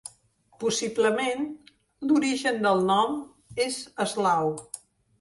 Possiblement, l'origen del nom és eslau.